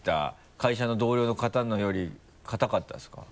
会社の同僚の方のより固かったですか？